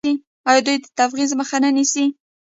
آیا دوی د تبعیض مخه نه نیسي؟